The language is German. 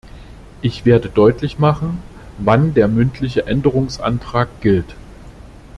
Ich werde deutlich machen, wann der mündliche Änderungsantrag gilt.